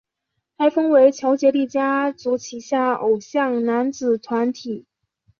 台风为乔杰立家族旗下偶像男子团体。